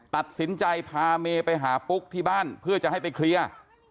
ตัดสินใจพาเมย์ไปหาปุ๊กที่บ้านเพื่อจะให้ไปเคลียร์